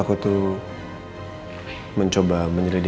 aku tuh mencoba menjelidikannya